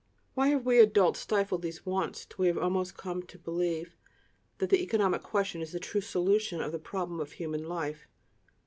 Why have we adults stifled these wants till we have almost come to believe that the economic question is the true solution of the problem of human life?